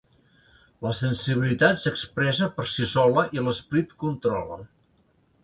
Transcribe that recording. La sensibilitat s'expressa per si sola i l'esperit controla.